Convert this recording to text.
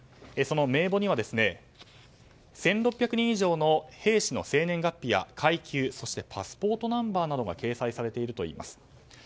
その名簿には１６００人以上の兵士の生年月日や階級、そしてパスポートナンバーなどが掲載されているといいます。